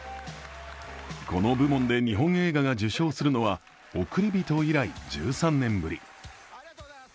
この部門で日本映画が受賞するのは、「おくりびと」以来１３年ぶり。